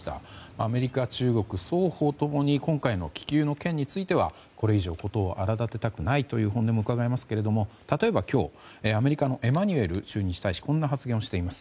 アメリカ、中国双方共に今回の気球の件についてはこれ以上事を荒立てたくないという本音もうかがえますけど例えば、今日、アメリカのエマニュエル駐日大使がこんな発言をしています。